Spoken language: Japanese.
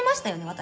私。